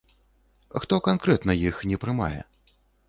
Хто канкрэтна іх не прымае?